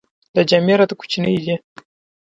دا جامې راته کوچنۍ دي.